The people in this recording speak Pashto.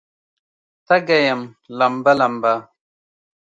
تږې یم لمبه، لمبه